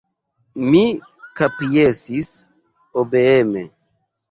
Mi kapjesis obeeme.